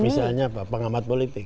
misalnya apa pengamat politik